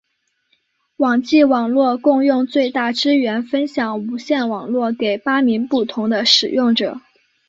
网际网路共用最大支援分享无线网路给八名不同的使用者。